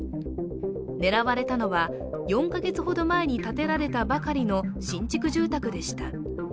狙われたのは４か月ほど前に建てられたばかりの新築住宅でした。